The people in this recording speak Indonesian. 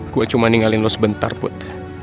gue cuma ninggalin lo sebentar put